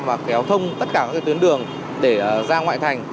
và kéo thông tất cả các tuyến đường để ra ngoại thành